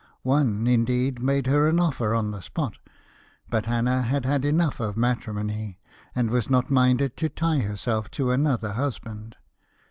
One, indeed, made her an offer on the spot; but Hannah had had enough of matrimony, and was not minded to tie herself to another husband.